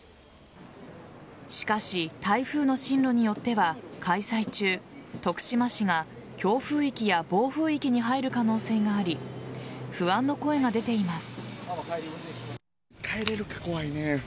しかし台風の進路によっては開催中徳島市が、強風域や暴風域に入る可能性があり不安の声が出ています。